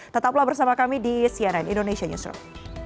tetaplah bersama kami di cnn indonesia newsroom